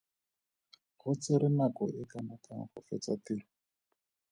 Go tsere nako e kanakang go fetsa tiro?